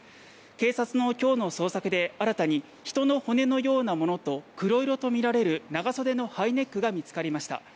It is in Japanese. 警察の今日の捜索で新たに人の骨のようなものと黒色とみられる長袖のハイネックが見つかりました。